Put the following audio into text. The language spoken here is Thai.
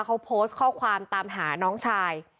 เขาโพสต์ข้อความตามหาน้องชาย